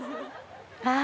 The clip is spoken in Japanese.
あ。